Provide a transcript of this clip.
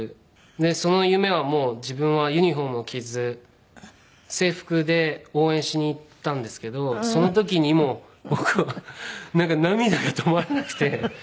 でその夢はもう自分はユニホームを着ず制服で応援しに行ったんですけどその時にも僕はなんか涙が止まらなくて。